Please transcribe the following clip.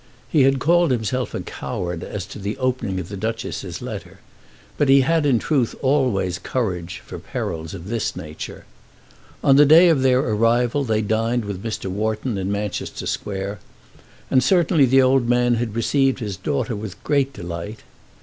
He had called himself a coward as to the opening of the Duchess's letter, but he had in truth always courage for perils of this nature. On the day of their arrival they dined with Mr. Wharton in Manchester Square, and certainly the old man had received his daughter with great delight.